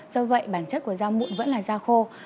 do vậy bản chất của rau mụn vẫn là da khô